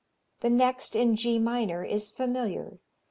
The next, in G minor, is familiar.